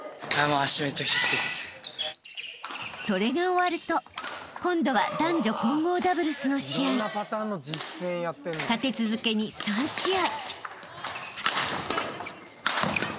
［それが終わると今度は男女混合ダブルスの試合］［立て続けに３試合］